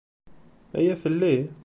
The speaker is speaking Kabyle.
Aya fell-i?